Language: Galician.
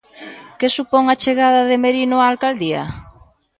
Que supón a chegada de Merino á Alcaldía?